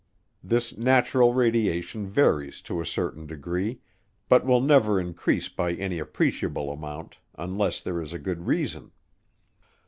This natural radiation varies to a certain degree, but will never increase by any appreciable amount unless there is a good reason.